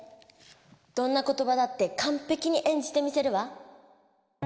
どんな言ばだってかんぺきに演じてみせるわ。